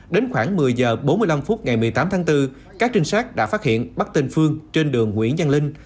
đến khoảng một mươi h bốn mươi năm phút ngày một mươi tám tháng bốn các trinh sát đã phát hiện bắt tên phương trên đường nguyễn giang linh